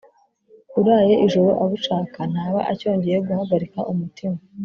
uraye ijoro abushaka ntaba acyongeye guhagarika umutima,